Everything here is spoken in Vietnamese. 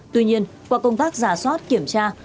tuy nhiên qua công tác giả soát kiểm tra